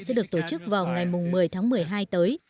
sẽ được tổ chức vào ngày một mươi tháng một mươi hai tới